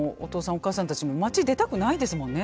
おかあさんたちも街出たくないですもんね。